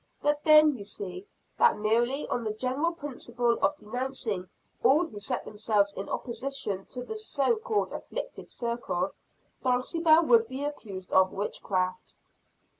But then, you see, that merely on the general principle of denouncing all who set themselves in opposition to the so called afflicted circle, Dulcibel would be accused of witchcraft."